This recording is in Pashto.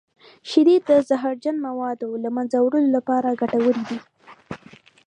شیدې د زهرجن موادو د له منځه وړلو لپاره ګټورې دي.